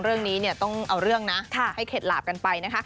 เรื่องนี้เนี่ยต้องเอาเรื่องนะให้เข็ดหลาบกันไปนะคะ